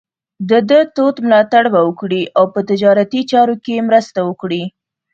د ده تود ملاتړ به وکړي او په تجارتي چارو کې مرسته وکړي.